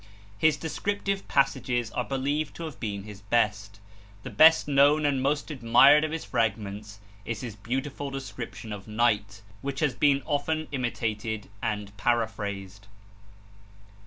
His descriptive passages are believed to have been his best. The best known and most admired of his fragments is his beautiful description of night, which has been often imitated and paraphrased.